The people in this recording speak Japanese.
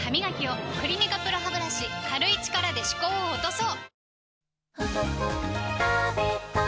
「クリニカＰＲＯハブラシ」軽い力で歯垢を落とそう！